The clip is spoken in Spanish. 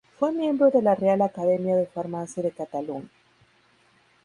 Fue miembro de la Real Academia de Farmacia de Cataluña.